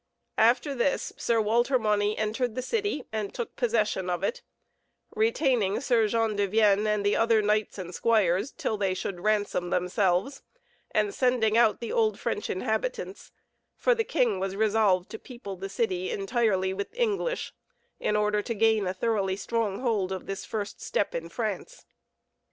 After this, Sir Walter Mauny entered the city, and took possession of it; retaining Sir Jean de Vienne and the other knights and squires till they should ransom themselves, and sending out the old French inhabitants; for the king was resolved to people the city entirely with English, in order to gain a thoroughly strong hold of this first step in France.